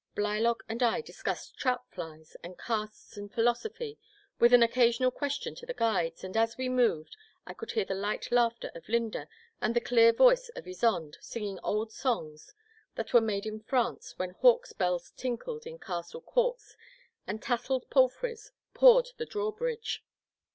Blylock and I discussed trout flies and casts and philosophy with an occasional question to the guides, and as we moved I cotdd hear the light laughter of Lynda and the clear voice of Ysonde singing old songs that were made in France when hawk's bells tinkled in castle courts and tasselled palfreys pawed the drawbridge.